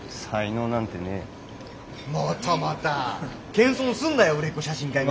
謙遜すんなよ売れっ子写真家が。